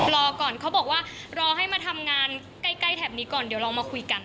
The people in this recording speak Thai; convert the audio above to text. รอก่อนเขาบอกว่ารอให้มาทำงานใกล้แถบนี้ก่อนเดี๋ยวเรามาคุยกัน